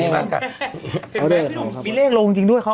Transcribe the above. มีเลขลงจริงด้วย